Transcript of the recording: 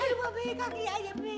aduh babe kaki ayam babe